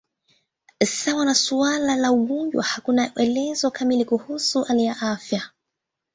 Sawa na suala la ugonjwa, hakuna elezo kamili kuhusu hali ya afya.